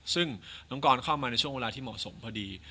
ซึ่งน้องกรเข้ามาในช่วงเวลาที่เหมาะสมพอดี